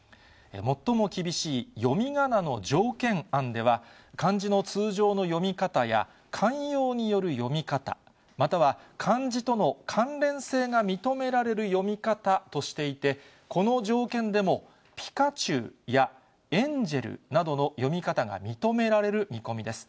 最も厳しい読みがなの条件案では、漢字の通常の読み方や慣用による読み方、または漢字との関連性が認められる読み方としていて、この条件でも、ぴかちゅうや、えんじぇるなどの読み方が認められる見込みです。